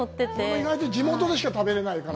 意外と地元でしか食べられないから。